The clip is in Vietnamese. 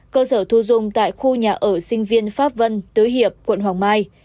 cơ sở thu dung tại khu nhà ở sinh viên pháp vân tứ hiệp quận hoàng mai